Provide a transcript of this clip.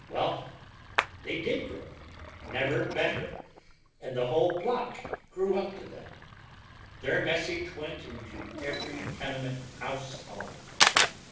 Well, they did grow, never better, and the whole block grew up to them. Their message went into every tenement house home.